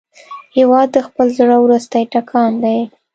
هېواد د خپل زړه وروستی ټکان دی.